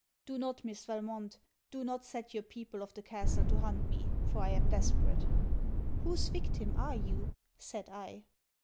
Do not Miss Valmont, do not set your people of the castle to hunt me; for I am desperate.' 'Whose victim are you?' said I.